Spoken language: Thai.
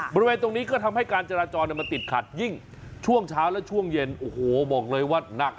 บริเวณตรงนี้ก็ทำให้การจราจรมันติดขัดยิ่งช่วงเช้าและช่วงเย็นโอ้โหบอกเลยว่านัก